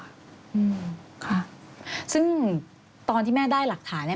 ค่ะซึ่งตอนที่แม่ได้หลักฐาน